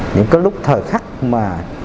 những cái lúc thời khắc mà